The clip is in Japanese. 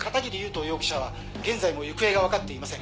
斗容疑者は現在も行方が分かっていません。